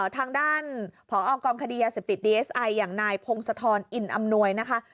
ทางด้านผอกองคดียาเสพติดดีเอสไออย่างนายพงศธรอินอำนวยนะคะ